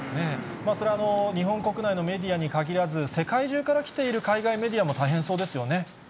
それは日本国内のメディアに限らず、世界中から来ている海外メディアも大変そうですよね。